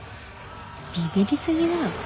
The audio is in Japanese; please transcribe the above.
ビビり過ぎだろ